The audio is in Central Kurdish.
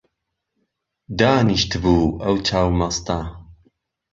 دانیشتبوو ئەو چاو مەستە